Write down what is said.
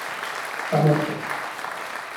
¡ famoso!